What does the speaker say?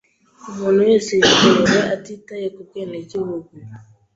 Umuntu wese yemerewe atitaye ku bwenegihugu.